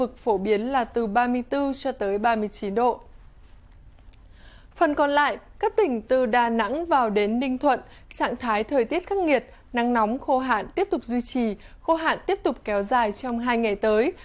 phần còn lại các tỉnh từ đà nẵng vào đến ninh thuận trạng thái thời tiết khắc nghiệt nắng nóng khô hạn tiếp tục duy trì khô hạn tiếp tục kéo dài trong hai ngày tới